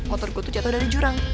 motor gue itu jatuh dari jurang